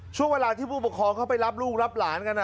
ช่วงเวลาที่ผู้ปกครองเข้าไปรับลูกรับหลานกัน